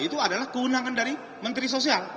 itu adalah kewenangan dari menteri sosial